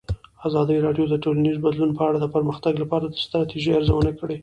ازادي راډیو د ټولنیز بدلون په اړه د پرمختګ لپاره د ستراتیژۍ ارزونه کړې.